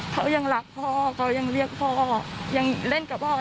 เขายังรักพ่อเขายังเรียกพ่อยังเล่นกับพ่อยังหัวเราะ